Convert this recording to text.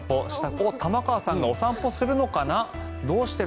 おっ、玉川さんがお散歩するのかな？